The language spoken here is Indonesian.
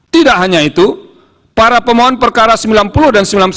tidak hanya itu para pemohon perkara sembilan puluh dan sembilan puluh satu